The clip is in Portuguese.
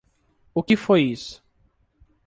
O que foi isso?